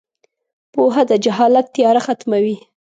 • پوهه د جهالت تیاره ختموي.